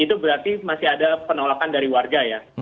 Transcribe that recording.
itu berarti masih ada penolakan dari warga ya